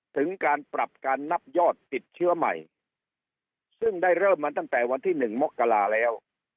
ถึงการปรับการนับยอดติดเชื้อใหม่ซึ่งได้เริ่มมาตั้งแต่วันที่๑มกราแล้ว